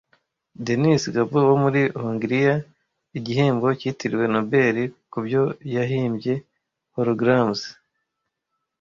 Denis Gabor wo muri Hongiriya Igihembo cyitiriwe Nobel kubyo yahimbye Holograms